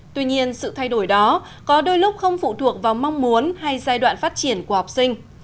tuy nhiên sự thay đổi đó có đôi lúc không phụ thuộc vào mong muốn hay giai đoạn phát triển của học sinh